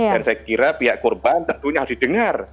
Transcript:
dan saya kira pihak korban tentunya harus didengar